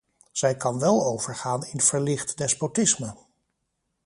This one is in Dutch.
Zij kan wel overgaan in verlicht despotisme.